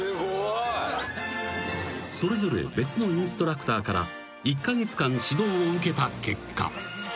［それぞれ別のインストラクターから１カ月間指導を受けた結果］